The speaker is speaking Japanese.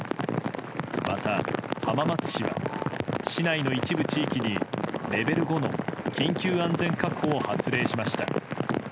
また、浜松市は市内の一部地域にレベル５の緊急安全確保を発令しました。